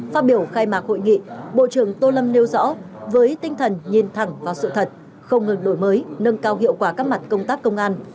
phát biểu khai mạc hội nghị bộ trưởng tô lâm nêu rõ với tinh thần nhìn thẳng vào sự thật không ngừng đổi mới nâng cao hiệu quả các mặt công tác công an